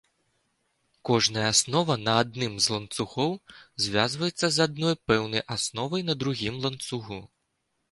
Кожная аснова на адным з ланцугоў звязваецца з адной пэўнай асновай на другім ланцугу.